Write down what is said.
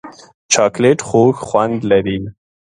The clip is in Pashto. چاکلېټ خوږ خوند لري.